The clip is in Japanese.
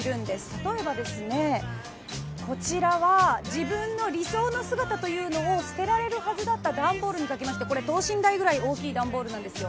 例えば、自分の理想の姿というのを捨てられるはずだった段ボールに描きまして、等身大ぐらい大きい段ボールなんですよ。